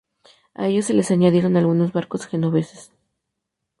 A ellos se les añadieron algunos barcos genoveses.